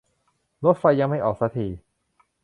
รถไฟยังไม่ออกซะที